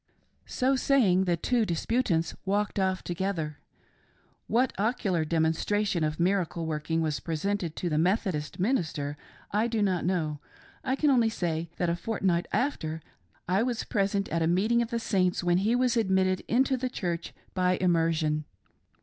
So saying, the two disputants walked off together. What ocular demonstration of miracle working was presented to the Methodist minister, I do not know; I can only say that a fortnight after, I was present at a meeting of the Saints when he was admitted into the Church by immersion.